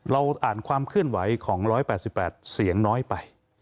เราอ่านความเคลื่อนไหวของ๑๘๘เสียงน้อยไป